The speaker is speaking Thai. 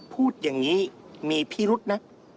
พูดอย่างนี้มีพิรุษนะ